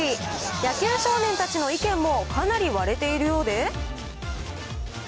野球少年たちの意見もかなり割れているようで。